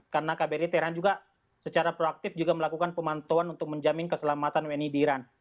karena kbri teheran juga secara proaktif juga melakukan pemantauan untuk menjamin keselamatan wni di iran